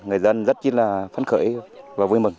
người dân rất là phấn khởi và vui mừng